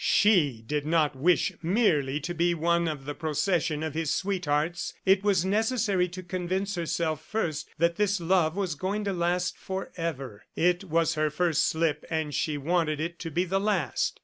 She did not wish merely to be one in the procession of his sweethearts; it was necessary to convince herself first that this love was going to last forever. It was her first slip and she wanted it to be the last.